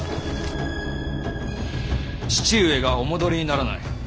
父上がお戻りにならない。